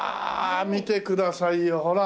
見てくださいよほら。